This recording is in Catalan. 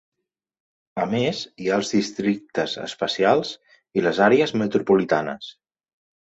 A més hi ha els districtes especials i les Àrees Metropolitanes.